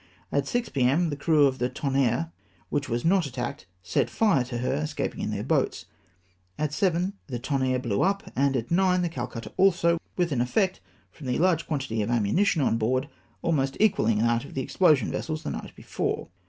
At 6.0 p.m. the crew of the Tonnerre, which was not attacked, set fire to her, escaping in their boats. At 7.0 the Tonnerre blew up, and at 9.0 the Calcutta also, with an effect, from the large quantity of ammunition on board, almost equalhng that of the explosion vessels the night before.